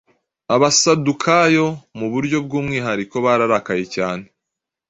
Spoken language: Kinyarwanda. Abasadukayo, mu buryo bw’umwihariko bararakaye cyane.